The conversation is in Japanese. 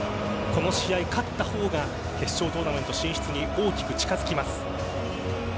この試合、勝ったほうが決勝トーナメント進出に大きく近づきます。